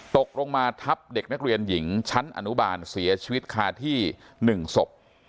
ตกลงมาทับเด็กนักเรียนหญิงชั้นอนุบาลเสียชีวิตคาที่๑ศพ